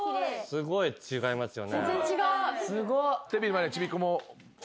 すごい違いますよね。